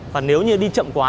và nếu như đi chậm quá